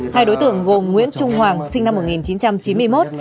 hai đối tượng gồm nguyễn trung hoàng sinh năm một nghìn chín trăm chín mươi một